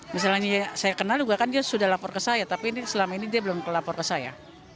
misalnya saya kenal juga kan dia sudah lapor ke saya tapi ini selama ini dia belum kelapor ke saya